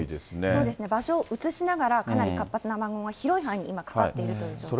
そうですね、場所を移しながら、かなり活発な雨雲が広い範囲に今かかっているという状況です。